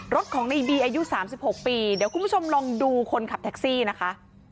รถของในบีอายุ๓๖ปีเดี๋ยวคุณผู้ชมลองดูคนขับแท็กซี่นะคะ